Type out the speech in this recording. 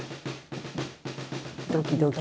ドキドキ。